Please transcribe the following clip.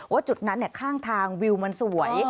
จุดนั้นข้างทางวิวมันสวย